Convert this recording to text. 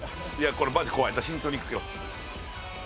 これマジ怖い慎重にいくよ